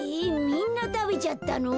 みんなたべちゃったの？